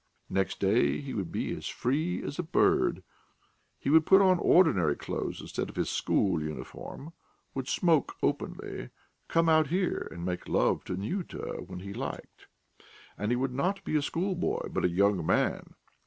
Next day he would be as free as a bird; he would put on ordinary clothes instead of his school uniform, would smoke openly, come out here, and make love to Nyuta when he liked; and he would not be a schoolboy but "a young man."